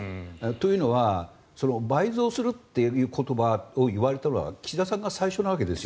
というのは、倍増するという言葉を言われたのは岸田さんが最初なわけです。